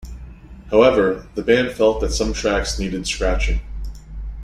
However, the band felt that some tracks needed scratching.